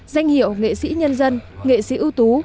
danh hiệu nghệ sĩ nhân dân nghệ sĩ ưu tú